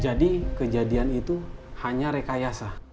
jadi kejadian itu hanya rekayasa